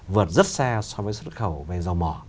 vượt rất xa so với xuất khẩu về dầu mỏ